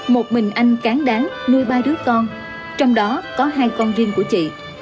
một mình anh cán đáng nuôi ba đứa con trong đó có hai con riêng của chị